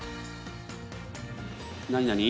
何何？